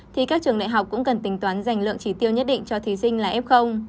thì các trường đại học cũng cần tính toán dành lượng trí tiêu nhất định cho thí sinh là f